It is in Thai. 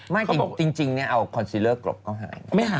ไม่จริงเอาคอนซีลเลอร์กรบก็ไม่หาย